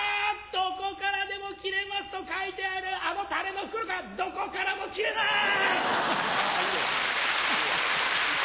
「どこからでも切れます」と書いてあるあのタレの袋がどこからも切れない！